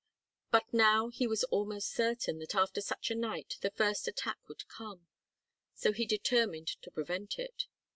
But now he was almost certain that after such a night the first attack would come, so he determined to prevent it.